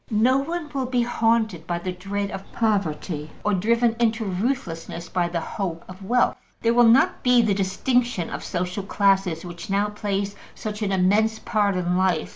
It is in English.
No one will be haunted by the dread of poverty or driven into ruthlessness by the hope of wealth. There will not be the distinction of social classes which now plays such an immense part in life.